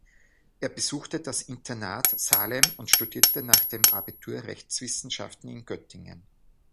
Er besuchte das Internat Salem und studierte nach dem Abitur Rechtswissenschaften in Göttingen.